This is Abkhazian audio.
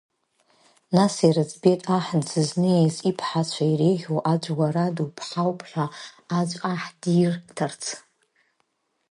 Нас ирыӡбеит аҳ дзызнеиз иԥҳацәа иреиӷьу аӡәы уара дуԥҳауп ҳәа аӡәы аҳ дирҭарц.